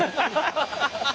ハハハハッ！